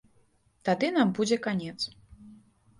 Тады нам будзе канец.